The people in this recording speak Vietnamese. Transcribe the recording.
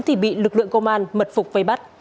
thì bị lực lượng công an mật phục vây bắt